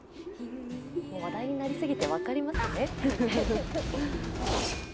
もう話題になりすぎて、分かりますよね？